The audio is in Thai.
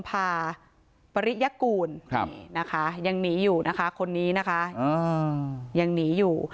พาปริยกูลนะคะยังหนีอยู่นะคะคนนี้นะคะยังหนีอยู่